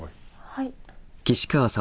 はい。